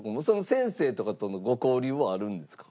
先生とかとのご交流はあるんですか？